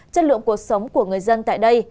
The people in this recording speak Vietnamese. chất lượng cuộc sống của người dân tại đây